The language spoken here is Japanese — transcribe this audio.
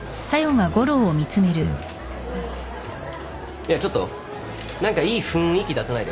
いやちょっと何かいい雰囲気出さないで。